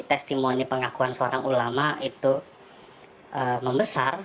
testimoni pengakuan seorang ulama itu membesar